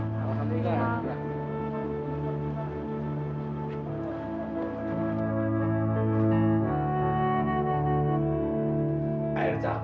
tata saya tipis senjata selidiki